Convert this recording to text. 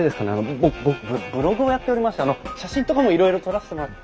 僕ブログをやっておりましてあの写真とかもいろいろ撮らせてもらい。